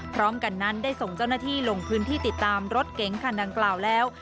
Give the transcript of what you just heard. พร้อมกันนั้นได้ส่งเจ้าหน้าที่ลงพื้นที่ติดตามรถเก๋งคันดังกล่าวแล้ว